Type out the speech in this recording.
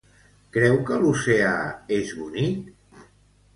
Creu que l'oceà és bonic?